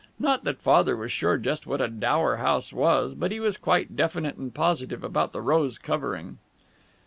Not that Father was sure just what a dower house was, but he was quite definite and positive about the rose covering.